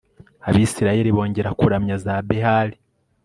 abayisraheli bongera kuramya za behali